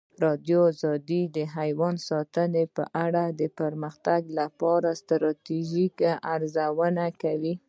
ازادي راډیو د حیوان ساتنه په اړه د پرمختګ لپاره د ستراتیژۍ ارزونه کړې.